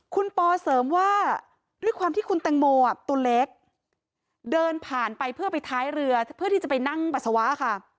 คุณปอเสริมว่าด้วยความที่คุณแตงโมตัวเล็กเดินผ่านไปเพื่อไปท้ายเรือเพื่อที่จะไปนั่งปัสสาวะค่ะ